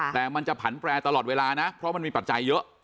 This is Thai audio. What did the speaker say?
แต่มันจะผันแปรตลอดเวลานะเพราะมันมีปัจจัยเยอะ